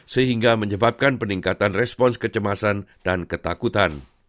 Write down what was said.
sehingga menyebabkan peningkatan respons kecemasan dan ketakutan